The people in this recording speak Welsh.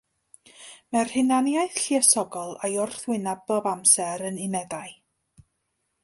Mae'r hunaniaeth lluosogol a'i wrthwyneb bob amser yn unedau.